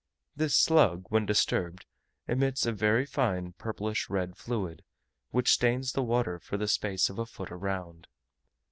This slug, when disturbed, emits a very fine purplish red fluid, which stains the water for the space of a foot around.